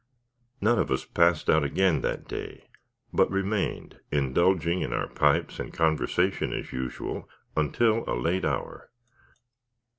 None of us passed out again that day, but remained indulging in our pipes and conversation as usual, until a late hour.